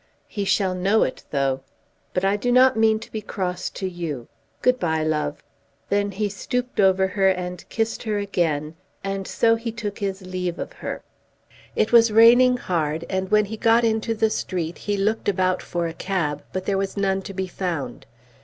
"He shall know it, though. But I do not mean to be cross to you. Good bye, love." Then he stooped over her and kissed her again; and so he took his leave of her. It was raining hard, and when he got into the street he looked about for a cab, but there was none to be found.